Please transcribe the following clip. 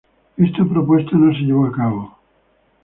Esta propuesta no se llevó a cabo.